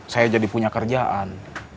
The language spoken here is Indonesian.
saya jadi punya kerjaan